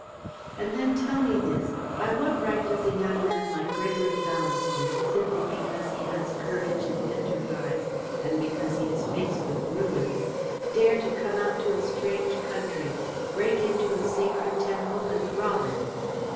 And then tell me this, by what right does a young man like Gregory Ballaston, simply because he has courage and enterprise, and because he is faced with ruin, dare to come out to a strange country, break into a sacred temple and rob it?